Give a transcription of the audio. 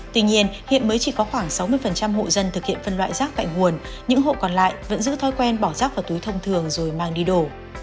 tuy nhiên hiện mới chỉ có khoảng sáu mươi hộ dân thực hiện phân loại rác tại nguồn những hộ còn lại vẫn giữ thói quen bỏ rác vào túi thông thường rồi mang đi đổ